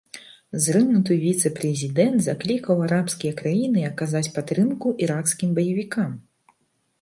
Зрынуты віцэ-прэзідэнт заклікаў арабскія краіны аказаць падтрымку іракскім баевікам.